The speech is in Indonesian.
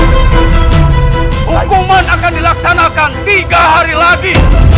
hukuman akan dilaksanakan tiga hari lagi